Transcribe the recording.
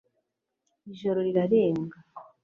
ijoro rirarenga